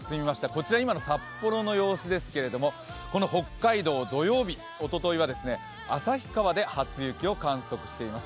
こちら今の札幌の様子ですけれども北海道、土曜日、おとといは旭川で初雪を観測しています。